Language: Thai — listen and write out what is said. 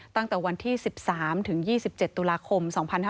ตั้งแต่วันที่๑๓ถึง๒๗ตุลาคม๒๕๕๙